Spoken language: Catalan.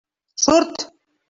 Surt!